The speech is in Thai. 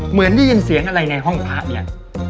เหมือนได้ยินเสียงอะไรในห้องพระยัง